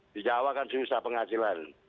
di jawa kan susah penghasilan